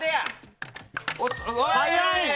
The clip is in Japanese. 早い！